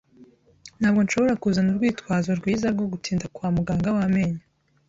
Ntabwo nshobora kuzana urwitwazo rwiza rwo gutinda kwa muganga w amenyo.